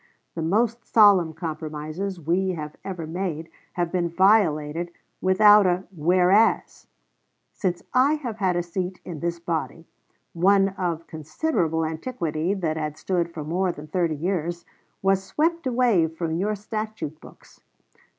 The most solemn compromises we have ever made have been violated without a whereas. Since I have had a seat in this body, one of considerable antiquity, that had stood for more than thirty years, was swept away from your statute books....